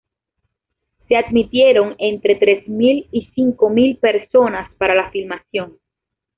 Se admitieron entre tres mil y cinco mil personas para la filmación.